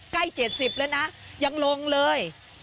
๗๐แล้วนะยังลงเลย